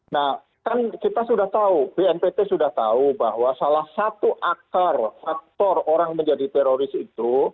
nah kan kita sudah tahu bnpt sudah tahu bahwa salah satu akar faktor orang menjadi teroris itu